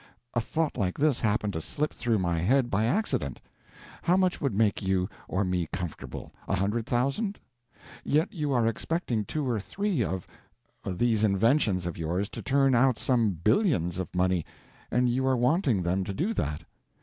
A thought like this happened to slip through my head by accident: How much would make you or me comfortable? A hundred thousand. Yet you are expecting two or three of—these inventions of yours to turn out some billions of money—and you are wanting them to do that.